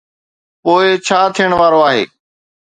پوءِ ڇا ٿيڻ وارو آهي؟